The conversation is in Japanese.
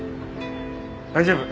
大丈夫。